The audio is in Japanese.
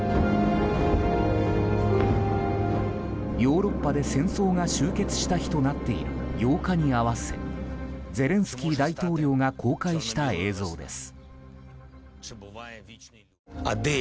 ヨーロッパで戦争が終結した日となっている８日に合わせゼレンスキー大統領が公開した映像です。